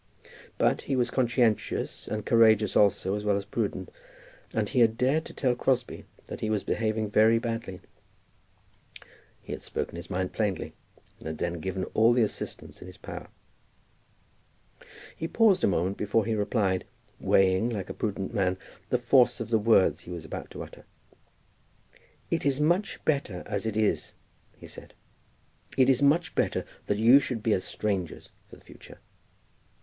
But he was conscientious, and courageous also as well as prudent, and he had dared to tell Crosbie that he was behaving very badly. He had spoken his mind plainly, and had then given all the assistance in his power. He paused a moment before he replied, weighing, like a prudent man, the force of the words he was about to utter. "It is much better as it is," he said. "It is much better that you should be as strangers for the future."